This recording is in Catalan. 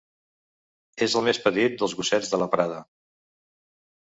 És el més petit dels gossets de la prada.